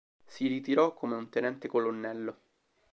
Si ritirò come un tenente colonnello.